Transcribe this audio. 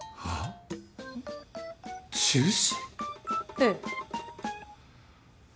ええ。